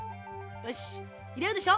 よしっいれるでしょ。